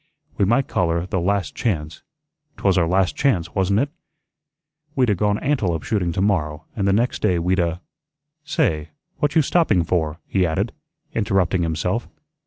"We might call her the 'Last Chance.' 'Twas our last chance, wasn't it? We'd 'a' gone antelope shooting tomorrow, and the next day we'd 'a' say, what you stopping for?" he added, interrupting himself.